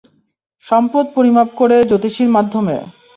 সম্পদ পরিমাপ করে, জ্যোতিষির মাধ্যমে!